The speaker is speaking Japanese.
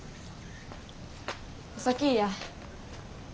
お先ぃや。